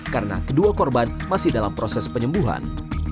karena kedua korban masih dalam proses penyembuhan